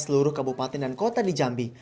seluruh kabupaten dan kota di jambi